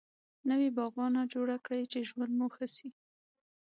نوي باغوانه جوړ کړي چی ژوند مو ښه سي